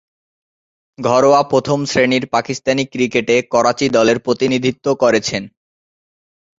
ঘরোয়া প্রথম-শ্রেণীর পাকিস্তানি ক্রিকেটে করাচি দলের প্রতিনিধিত্ব করেছেন।